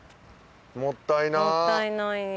もったいない。